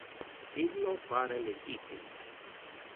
Illo pare legitime.